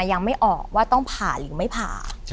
ยังไม่ออกว่าต้องผ่าหรือไม่ผ่า